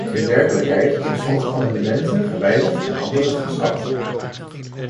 In werkelijkheid zijn sommige amendementen gewijzigd en andere geschrapt.